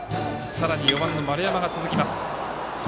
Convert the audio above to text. さらに４番の丸山が続きます。